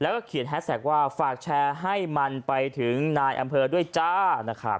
แล้วก็เขียนแฮสแท็กว่าฝากแชร์ให้มันไปถึงนายอำเภอด้วยจ้านะครับ